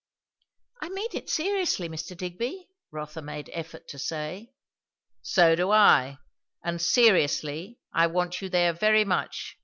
"I mean it seriously, Mr. Digby " Rotha made effort to say. "So do I. And seriously, I want you there very much.